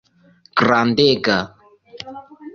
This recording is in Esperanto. Grandega.